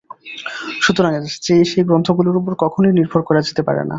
সুতরাং সেই গ্রন্থগুলির উপর কখনই নির্ভর করা যেতে পারে না।